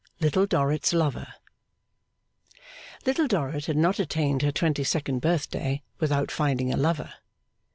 Little Dorrit's Lover Little Dorrit had not attained her twenty second birthday without finding a lover.